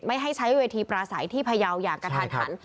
ไม่ให้ใช้บิวเวทีปลาสายที่ภาอย่างกะทัน